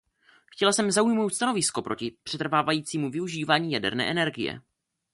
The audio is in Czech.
Chtěla jsem zaujmout stanovisko proti přetrvávajícímu využívání jaderné energie.